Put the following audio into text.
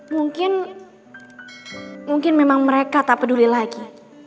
mungkin memang mereka tak peduli lagi